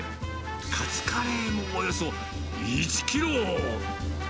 カツカレーもおよそ１キロ。